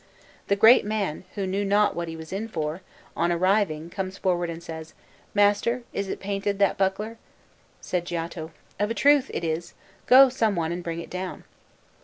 The great man, who knew not what he was in for, on arriving, comes forward and says, 'Master, is it painted, that buckler?' Said Giotto, 'Of a truth, it is; go, someone, and bring it down.'